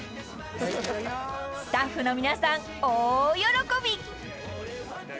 ［スタッフの皆さん大喜び］